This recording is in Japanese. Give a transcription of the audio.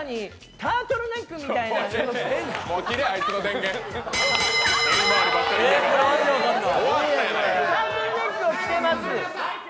タートルネックを着てます。